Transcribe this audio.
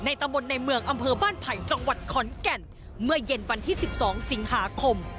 ตำบลในเมืองอำเภอบ้านไผ่จังหวัดขอนแก่นเมื่อเย็นวันที่๑๒สิงหาคม